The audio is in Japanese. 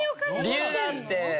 ・理由があって。